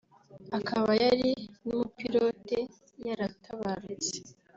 akaba yari n’umupilote yaratabarutse